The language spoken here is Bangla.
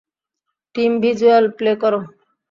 টিম ভিজ্যুয়াল প্লে করো।